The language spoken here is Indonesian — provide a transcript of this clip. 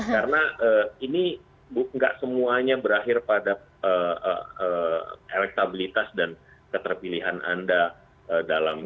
karena ini bukan semuanya berakhir pada elektabilitas dan keterpilihan anda dalam